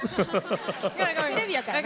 テレビやからな！